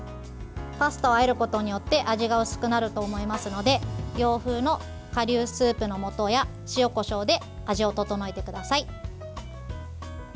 パスタをあえることによって味が薄くなると思いますので洋風の顆粒スープの素や塩、こしょうで味を調えてください。